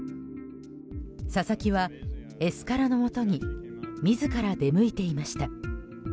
佐々木はエスカラのもとに自ら出向いていました。